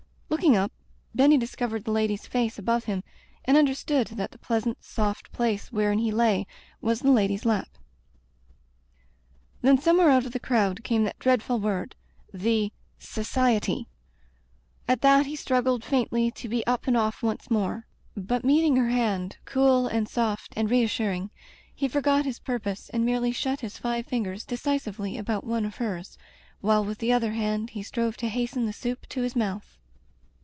Looking up, Benny discovered the Lady's face above him and understood that die pleasant soft place wherein he lay was the Lady's lap. Then somewhere out of the crowd came that dreadful word, the "Society." At that he struggled faindy to be up and off once more; but meeting her hand, cool and soft and reassuring, he forgot his purpose and merely shut his five fingers decisively about one of hers, while with the other hand he strove to hasten the soup to his mouth.